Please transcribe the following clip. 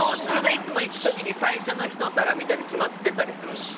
いつも行くときに最初の一皿みたいなの決まってたりするんですか？